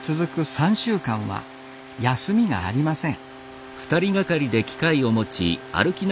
３週間は休みがありません